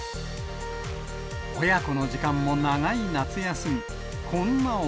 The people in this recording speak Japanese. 親子の時間も長い夏休み。